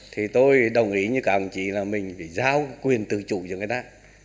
thì tôi đồng ý với các đại biểu là mình phải giao quyền tự chủ cho người ta